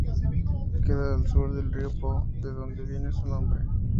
Queda al sur del río Po, de donde viene su nombre.